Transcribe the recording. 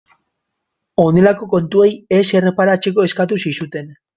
Honelako kontuei ez erreparatzeko eskatu zizuten.